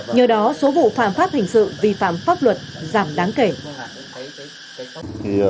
nhờ đó số vụ phạm pháp hình sự vi phạm pháp luật giảm đáng kể